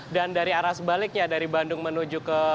dan dari arah sebaliknya dari bandung menuju ke bandung